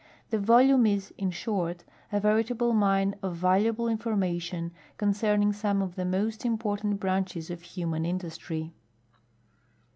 The volume is, in short, a veritable mine of valuable information concerning some of the most important branches of human industry.